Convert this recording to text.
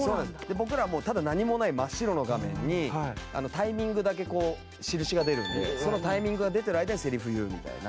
僕らはもうただ何もない真っ白の画面にタイミングだけこう印が出るのでそのタイミングが出てる間にセリフ言うみたいな。